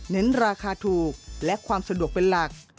ราคาถูกและความสะดวกเป็นหลัก